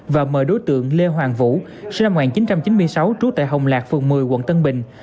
và mời đối tượng lê hoàng vũ sinh năm một nghìn chín trăm chín mươi sáu trú tại hồng lạc phường một mươi quận tân bình